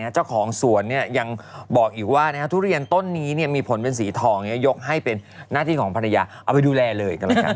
เจ้าของสวนยังบอกอีกว่าทุเรียนต้นนี้มีผลเป็นสีทองยกให้เป็นหน้าที่ของภรรยาเอาไปดูแลเลยกันแล้วกัน